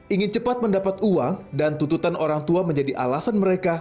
ingin cepat mendapat uang dan tututan orang tua menjadi alasan mereka